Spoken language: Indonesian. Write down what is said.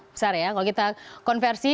besar ya kalau kita konversi